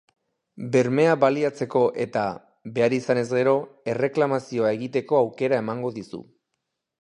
Bermea baliatzeko eta, behar izanez gero, erreklamazioa egiteko aukera emango dizu.